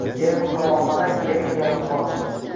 Yarmi qamoqxona, Yarmi yalang’och